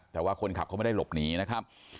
แต่ว่าคนขับเขาไม่ได้หลบหนีนะครับ